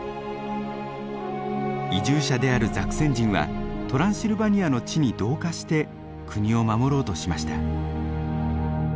移住者であるザクセン人はトランシルバニアの地に同化して国を守ろうとしました。